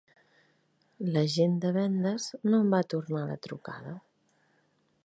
L'agent de vendes no em va tornar la trucada.